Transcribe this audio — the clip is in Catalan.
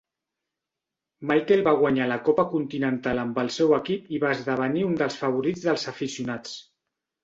Michael va guanyar la Copa Continental amb el seu equip i va esdevenir un dels favorits dels aficionats.